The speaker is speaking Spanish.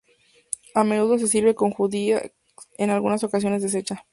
A menudo se sirve con judías, en algunas ocasiones deshecha.